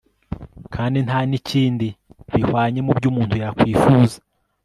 kandi nta n'ikindi bihwanye mu byo umuntu yakwifuza